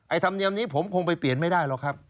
ธรรมเนียมนี้ผมคงไปเปลี่ยนไม่ได้หรอกครับ